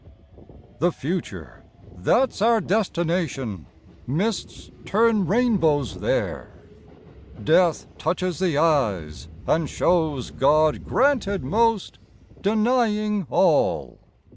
The Future— that's Our destination, mists turn rainbows T/iere." "Death touches the eyes And shows God granted most, denying all!